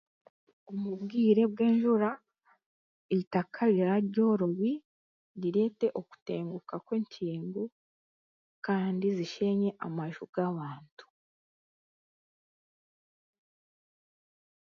Omu bwire bwenjura, eitaka riraaryorobi rireete okutenguka kwentindo kandi zishewnye amaju g'abantu